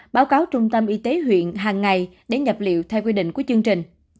báo cáo trung tâm y tế huyện hàng ngày để nhập liệu theo quy định của chương trình